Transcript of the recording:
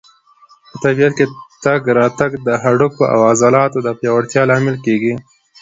په طبیعت کې تګ راتګ د هډوکو او عضلاتو د پیاوړتیا لامل کېږي.